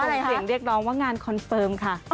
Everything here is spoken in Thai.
กลับมาส่งเสียงเรียกน้องว่างานคอนเฟิร์มค่ะ